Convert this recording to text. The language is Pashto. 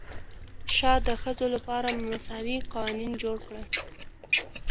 شاه د ښځو لپاره مساوي قوانین جوړ کړل.